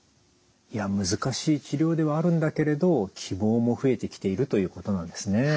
難しい治療ではあるんだけれど希望も増えてきているということなんですね。